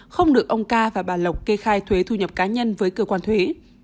không được ông ca và bà lộc kê khai thuế thu nhập cá nhân với cơ quan thuế